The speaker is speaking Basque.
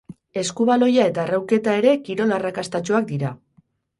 Eskubaloia eta arraunketa ere kirol arrakastatsuak dira.